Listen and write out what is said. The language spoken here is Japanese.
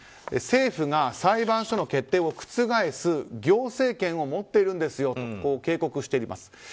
政府が裁判所の決定を覆す行政権を持っているんですよと警告しています。